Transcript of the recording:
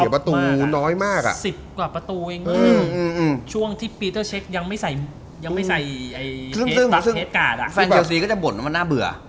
แฟนเชลซีก็จะบ่นว่าน่าเบื่อ